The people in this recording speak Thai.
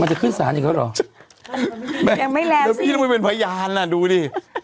มันจะขึ้นสารอีกแล้วหรอยังไม่แล้วสิพี่มันเป็นพยานน่ะดูดิ